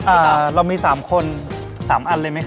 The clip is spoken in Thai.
อ่าเรามี๓คน๓อันเลยไหมครับ